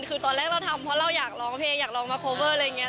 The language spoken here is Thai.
คือตอนแรกเราทำเพราะเราอยากร้องเพลงอยากลองมาโคเวอร์อะไรอย่างนี้